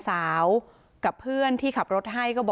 สวัสดีครับทุกคน